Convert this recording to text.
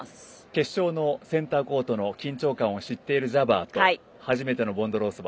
決勝のセンターコートの緊張感を知っているジャバーと初めてのボンドロウソバ